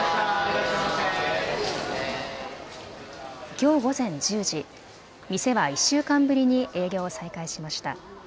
きょう午前１０時、店は１週間ぶりに営業を再開しました。